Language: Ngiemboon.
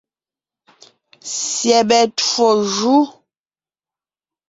Syɛbɛ twó jú.